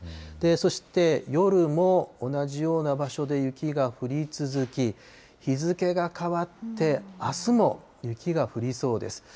そして、夜も同じような場所で雪が降り続き、日付が変わって、あすも雪が降りそうです。